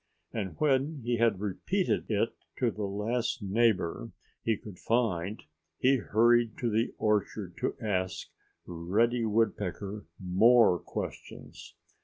And when he had repeated it to the last neighbor he could find he hurried to the orchard to ask Reddy Woodpecker more questions.